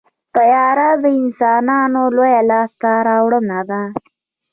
طیاره د انسانانو لویه لاسته راوړنه ده.